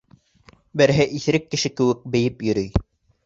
Береһе иҫерек кеше кеүек бейеп йөрөй.